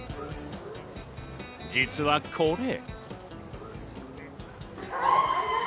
実は、これ。